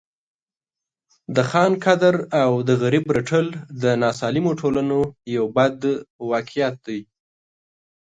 د خان قدر او د غریب رټل د ناسالمو ټولنو یو بد واقعیت دی.